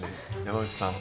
山内さん。